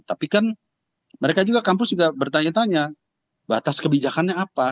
tapi kan mereka juga kampus juga bertanya tanya batas kebijakannya apa